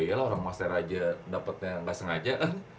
kalau orang masyarakat dapatnya gak sengaja